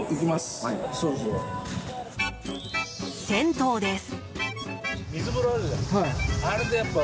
銭湯です。